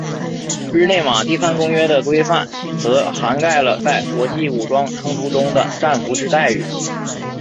日内瓦第三公约的规范则涵盖了在国际武装冲突中的战俘之待遇。